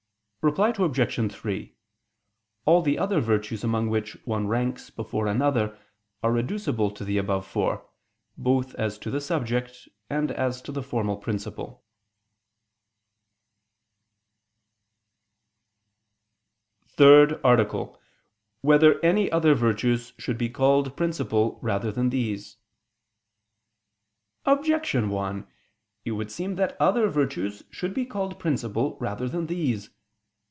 Reply Obj. 3: All the other virtues among which one ranks before another, are reducible to the above four, both as to the subject and as to the formal principle. ________________________ THIRD ARTICLE [I II, Q. 61, Art. 3] Whether Any Other Virtues Should Be Called Principal Rather Than These? Objection 1: It would seem that other virtues should be called principal rather than these.